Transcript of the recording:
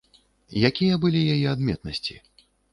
Якія былі яе адметнасці?